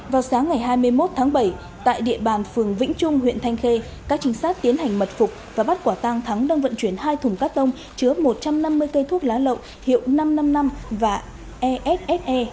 vào sáng ngày hai mươi một tháng bảy tại địa bàn phường vĩnh trung huyện thanh khê các trinh sát tiến hành mật phục và bắt quả tang thắng đang vận chuyển hai thùng cắt tông chứa một trăm năm mươi cây thuốc lá lậu hiệu năm trăm năm mươi năm và esse